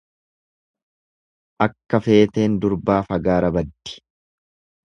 Akka feeteen durbaa fagaara baddi.